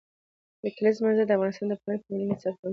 د کلیزو منظره د افغانستان د پوهنې په ملي نصاب کې هم شامل دي.